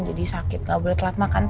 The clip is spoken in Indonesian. jadi sakit gak boleh telat makan